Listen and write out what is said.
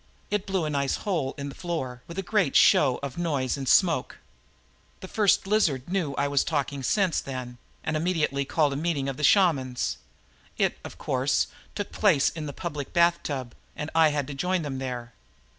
It blew a nice hole in the floor with a great show of noise and smoke. The First Lizard knew I was talking sense then and immediately called a meeting of the shamans. It, of course, took place in the public bathtub and I had to join them there.